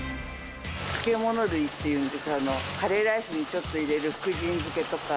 漬物類っていうんですか、カレーライスにちょっと入れる福神漬けとか。